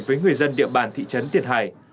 với người dân địa bàn thị trấn tiền hải